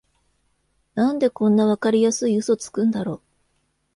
なんでこんなわかりやすいウソつくんだろ